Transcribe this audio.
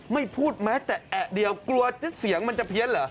ไม่พูดแม้แต่แอะเดียวกลัวจะเสียงมันจะเพี้ยนเหรอ